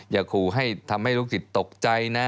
อย่าขู่ให้ทำให้ลูกศิษย์ตกใจนะ